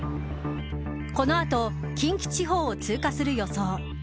このあと近畿地方を通過する予想。